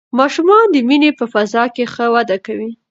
ماشومان د مینې په فضا کې ښه وده کوي